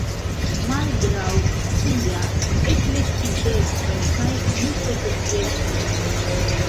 Malgraŭ sia eklektikeco kaj neprofesieco.